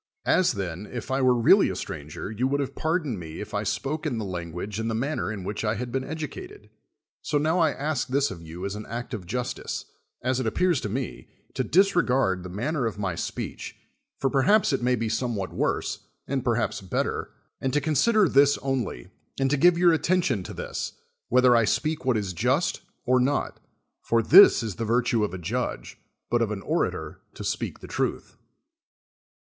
As, then, if I were really a stranger, you would have pardoned me if I spoke in the language and the manner in which I had been educated, so noAV I ask this of you as an act of justice, as it appears to me, to disregard the manner of my speech, for perhaps it may be somewhat worse, and perhaps better, and to consider this only, and to give your attention to this, whether I speak what is just or not; for this is the virtue 66 of a judge, but of au orator to speak the truth.